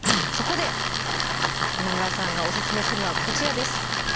そこで今村さんがおすすめするのはこちらです。